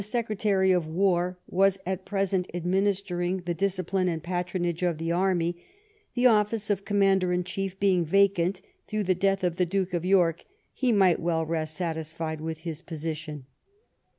28 Secretary of War was at present administering, the discipline and patronage of the army, the office of Com mander in Chief heing vacant through the death of the Duke of York, he might well rest satisfied with his position.